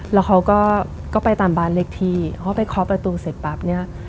แล้วเขาก็ไปตามบานเร็กที่เขาก็ไปเข้าประตูซีดปรับเพลง